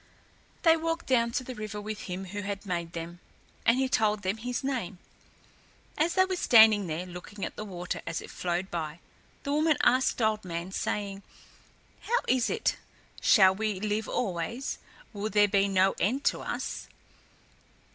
They walked down to the river with him who had made them, and he told them his name. As they were standing there looking at the water as it flowed by, the woman asked Old Man, saying, "How is it; shall we live always? Will there be no end to us?"